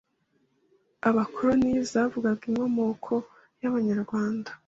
abakoloni zavugaga inkomoko y’abanyarwanda